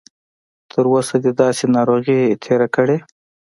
تر اوسه دې داسې ناروغي تېره کړې؟